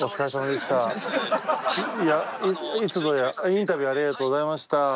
いつぞやはインタビューありがとうございました。